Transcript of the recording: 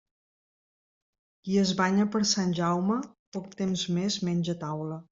Qui es banya per Sant Jaume, poc temps més menja a taula.